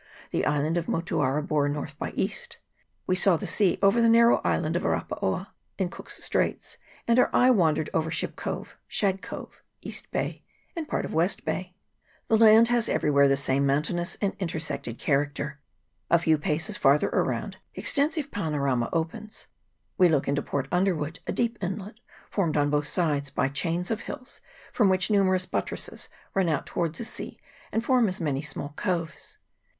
The island of Motuara bore north by east. We saw the sea over the narrow island of Arapaoa in Cook's Straits, and our eye wandered over Ship Cove, Shag Cove, East Bay, and part of West Bay. The land has everywhere the same mountainous and intersected character. A few paces farther another extensive panorama opens : we look into Port Underwood, a deep inlet, formed on both sides by chains of hills, from which numerous buttresses run out towards the sea, and form as many small coves.